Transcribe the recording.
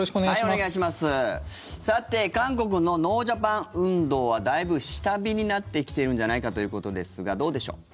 さて、韓国のノージャパン運動はだいぶ下火になってきているんじゃないかということですがどうでしょう。